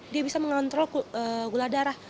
dia bisa mengontrol gula darah